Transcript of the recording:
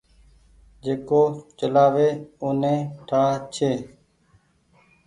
جيڪو چلآوي اوني ٺآ ڇي۔